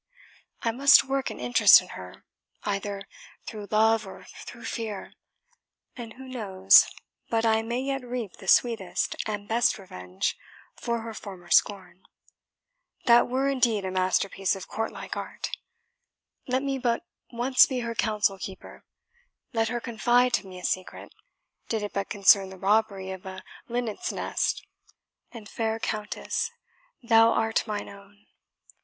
I must work an interest in her, either through love or through fear; and who knows but I may yet reap the sweetest and best revenge for her former scorn? that were indeed a masterpiece of courtlike art! Let me but once be her counsel keeper let her confide to me a secret, did it but concern the robbery of a linnet's nest, and, fair Countess, thou art mine own!"